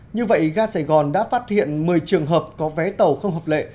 như vậy ga sài gòn đã phát hiện một mươi trường hợp có vé tàu không hợp lệ